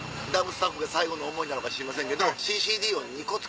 スタッフが最後の思いなのか知りませんけど。